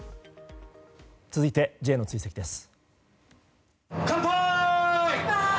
続いてＪの追跡です。